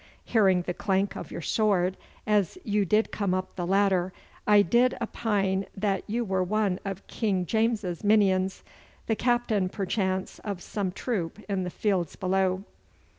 Hearing the clank of your sword as you did come up the ladder, I did opine that you were one of King James's minions, the captain, perchance, of some troop in the fields below.